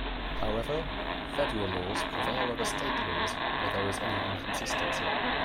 However, federal laws prevail over State laws where there is any inconsistency.